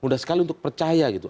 mudah sekali untuk percaya gitu